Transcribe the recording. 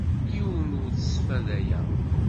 Yiwen ur t-sfadayeɣ.